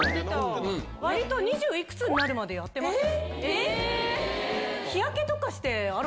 わりと二十いくつになるまで、やってました。